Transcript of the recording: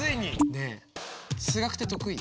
ねえ数学って得意？